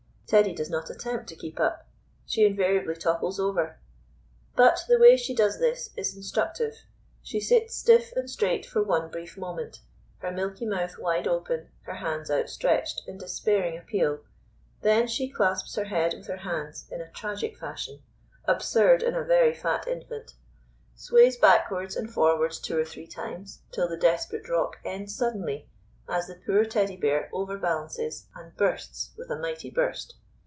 Teddy does not attempt to keep up; she invariably topples over. But the way she does this is instructive. She sits stiff and straight for one brief moment, her milky mouth wide open, her hands outstretched in despairing appeal; then she clasps her head with her hands in a tragic fashion, absurd in a very fat infant, sways backwards and forwards two or three times till the desperate rock ends suddenly, as the poor Teddy bear overbalances and bursts with a mighty burst.